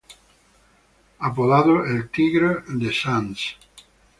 Apodado "El Tigre de Sants".